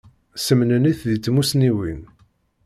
Semnennit di tmusniwin.